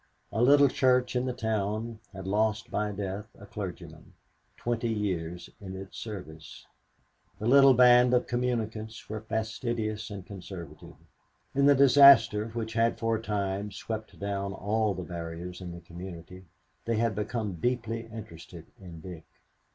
A little church in the town had lost by death a clergyman, twenty years in its service. The little band of communicants were fastidious and conservative. In the disaster which had for a time swept down all the barriers in the community they had become deeply interested in Dick.